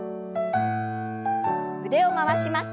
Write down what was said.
腕を回します。